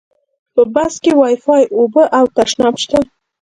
په بس کې وایفای، اوبه او تشناب شته.